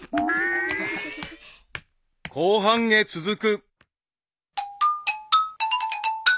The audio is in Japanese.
［後半へ続く］